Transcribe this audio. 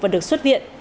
và được xuất viện